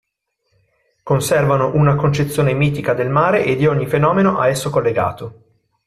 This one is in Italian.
Conservano una concezione mitica del mare e di ogni fenomeno a esso collegato.